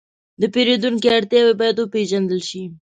د پیرودونکو اړتیاوې باید وپېژندل شي.